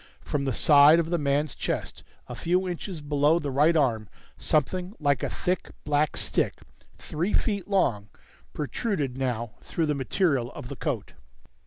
From the side of the man's chest, a few inches below the right arm, something like a thick black stick, three feet long, protruded now through the material of the coat.